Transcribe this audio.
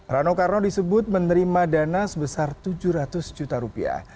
rano karno disebut menerima dana sebesar tujuh ratus juta rupiah